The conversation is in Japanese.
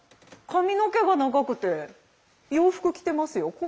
髪の毛が長くて洋服着てますよ。